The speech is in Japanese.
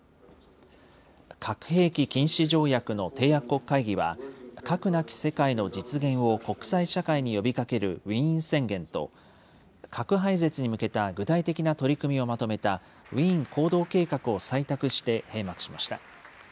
核兵器禁止条約の締約国会議は、核なき世界の実現を国際社会に呼びかけるウィーン宣言と、核廃絶に向けた具体的な取り組みをまとめたウィーン行動計画を採択して閉幕しました。